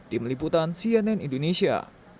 tim liputan cnn indonesia